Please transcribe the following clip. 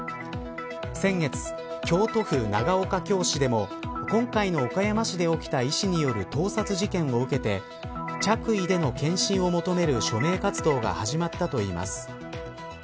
先月、京都府長岡京市でも今回の岡山市で起きた医師による盗撮事件を受けて着衣での健診を受けるよう求める署名活動が始まったといいます。